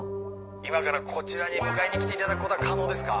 今からこちらに迎えに来ていただくことは可能ですか？